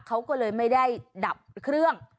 เขาก็เลยไม่ได้ดับเครื่อง